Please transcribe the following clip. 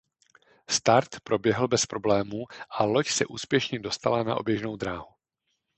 Start proběhl bez problémů a loď se úspěšně dostala na oběžnou dráhu.